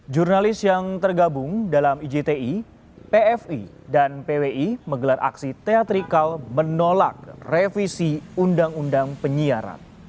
jurnalis yang tergabung dalam ijti pfi dan pwi menggelar aksi teatrikal menolak revisi undang undang penyiaran